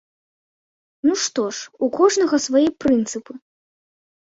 Ну што ж, у кожнага свае прынцыпы.